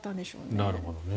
なるほどね。